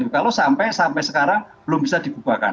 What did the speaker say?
kalau sampai sekarang belum bisa dibubarkan